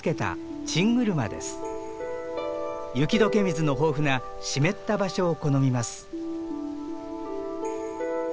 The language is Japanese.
雪解け水の豊富な湿った場所を好みます。